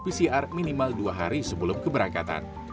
pcr minimal dua hari sebelum keberangkatan